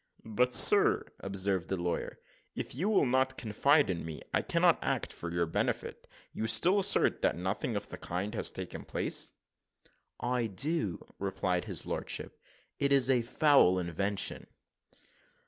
"But, sir," observed the lawyer, "if you will not confide in me, I cannot act for your benefit. You still assert that nothing of the kind has taken place?" "I do," replied his lordship. "It is a foul invention."